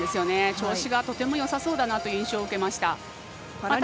調子がとてもよさそうだなという印象を受けました。